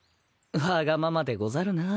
わがままでござるなぁ。